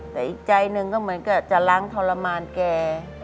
แต่อีกใจหนึ่งก็เหมือนกับจะล้างทรมานแก